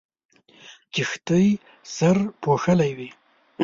کښتۍ سرپوښلې وې.